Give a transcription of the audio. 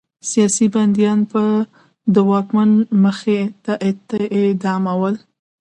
سیاسي بندیان به د واکمن مخې ته اعدامېدل.